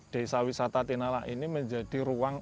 desa wisata tinala ini menjadi ruang